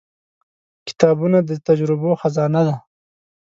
• کتابونه د تجربو خزانه ده.